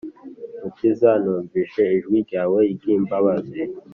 Mukiza numvise ijwi ryawe ry’imbabazi